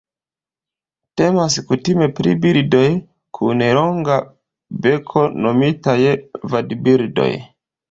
Temas kutime pri birdoj kun longa beko nomitaj vadbirdoj.